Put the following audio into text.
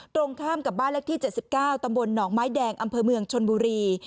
ตรงข้ามกับบ้านเลขที่๗๙ตำบลหนองไม้แดงอำเภอเมืองชนบุรี